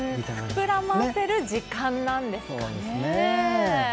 膨らませる時間なんですかね。